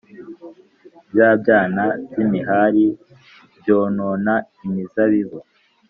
bya byana by’imihari byonona imizabibu,